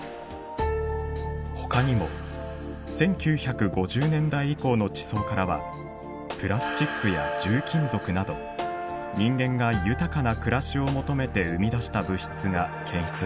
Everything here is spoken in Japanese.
ほかにも１９５０年代以降の地層からはプラスチックや重金属など人間が豊かな暮らしを求めて生み出した物質が検出されています。